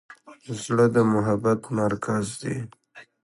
زړه د محبت مرکز دی.